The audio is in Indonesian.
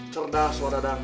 cerdas wak dadang